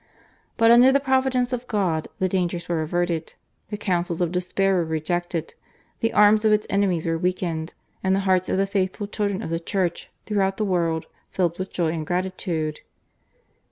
But under the Providence of God the dangers were averted, the counsels of despair were rejected, the arms of its enemies were weakened, and the hearts of the faithful children of the Church throughout the world filled with joy and gratitude.